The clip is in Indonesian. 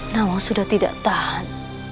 nawang sudah tidak tahan